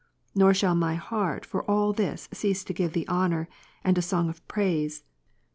Nor shall my heart for all this cease to give Thee honour, and a song of praise, for those c See above, b.